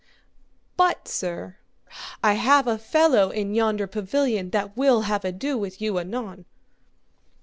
But, sir, I have a fellow in yonder pavilion that will have ado with you anon.